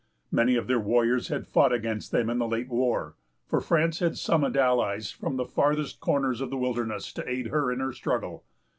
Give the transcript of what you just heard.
Many of their warriors had fought against them in the late war, for France had summoned allies from the farthest corners of the wilderness, to aid her in her struggle.